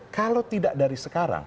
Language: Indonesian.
kalau tidak dari sekarang